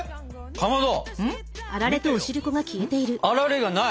かまど！